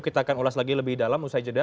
kita akan ulas lagi lebih dalam usai jeda